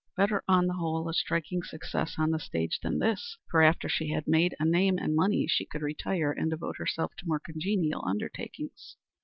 Better on the whole a striking success on the stage than this, for after she had made a name and money she could retire and devote herself to more congenial undertakings.